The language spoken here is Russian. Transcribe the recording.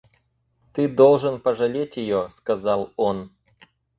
Ты должен пожалеть ее, — сказал он.